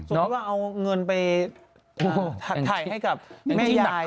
สมมุติว่าเอาเงินไปหักไถให้กับแม่ยาย